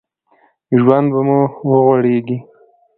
ژوند به وغوړېږي